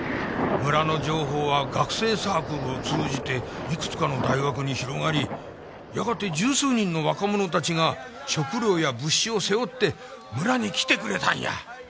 村の情報は学生サークルを通じていくつかの大学に広がりやがて十数人の若者たちが食糧や物資を背負って村に来てくれたんや。